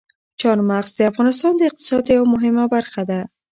چار مغز د افغانستان د اقتصاد یوه مهمه برخه ده.